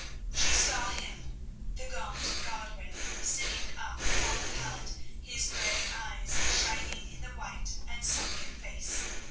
She saw him, the gaunt Godwin sitting up upon the pallet, his grey eyes shining in the white and sunken face.